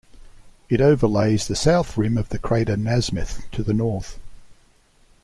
It overlays the south rim of the crater Nasmyth to the north.